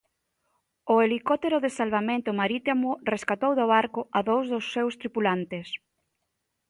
O helicóptero de Salvamento Marítimo rescatou do barco a dous dos seus tripulantes.